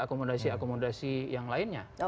akomodasi akomodasi yang lainnya